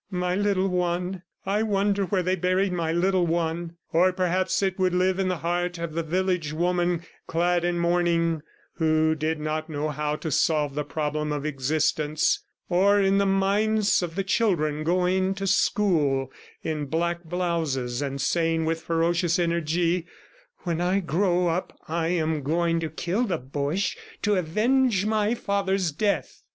"My little one! ... I wonder where they buried my little one!" Or, perhaps, it would live in the heart of the village woman clad in mourning who did not know how to solve the problem of existence; or in the minds of the children going to school in black blouses and saying with ferocious energy "When I grow up I am going to kill the Boches to avenge my father's death!"